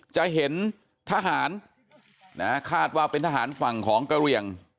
จะเห็นทหารคาดว่าเป็นทหารฝั่งของกระเหลี่ยง